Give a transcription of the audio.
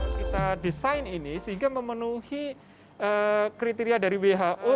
kita desain ini sehingga memenuhi kriteria dari who